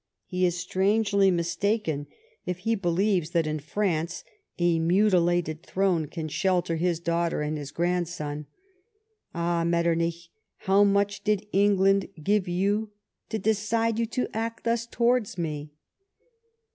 He is strangely mistaken if he believes tliat in France a mutilated throne can shelter his daughter and his grandson ! Aii ! Metternicli, how mucii did England give you to decide you to act thus towards me